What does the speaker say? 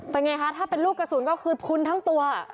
เป็นไงคะถ้าเป็นลูกกระสุนก็คือพุนทั้งตัว